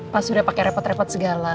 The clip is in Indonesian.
pak surya pakai repot repot segala